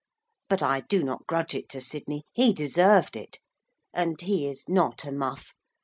But I do not grudge it to Sidney. He deserved it. And he is not a muff.